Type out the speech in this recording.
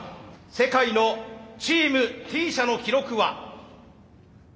世界のチームＴ社の記録は。